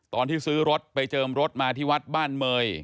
ตอนที่ซื้อรถไปเจิมรถมาที่วัดบ้านเมย